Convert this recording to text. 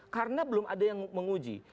karena belum ada yang menguji